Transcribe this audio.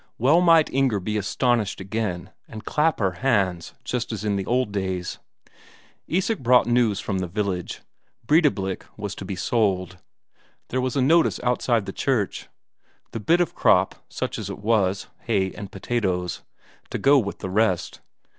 Well might Inger be astonished again, and clap her hands just as in the old days. Isak brought news from the village; Breidablik was to be sold, there was a notice outside the church. The bit of crop, such as it was, hay and potatoes, to go with the rest.